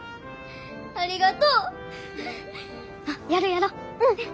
ありがとう。